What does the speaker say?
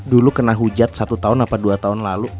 dulu kena hujat satu tahun atau dua tahun lalu